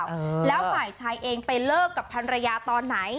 อืมแล้วฝ่ายชายเองไปเลิกกับพันรยาตอนไหน